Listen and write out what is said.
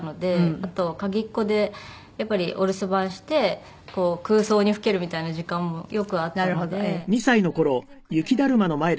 あと鍵っ子でやっぱりお留守番してこう空想にふけるみたいな時間もよくあったのでそれは全然苦じゃないんですよ